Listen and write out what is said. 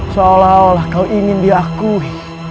seolah olah kau ingin diakui